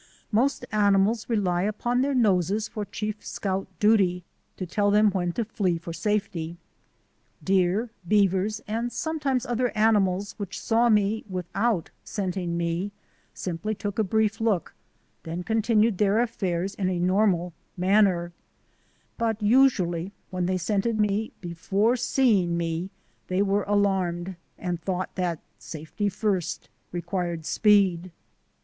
Most animals rely upon their noses for chief scout duty to tell them when to flee for safety. Deer, beavers, and sometimes other ani mals which saw me without scenting me, simply took a brief look then continued their affairs in a normal manner; but usually when they scented me before seeing me they were alarmed and thought that " safety first" required speed.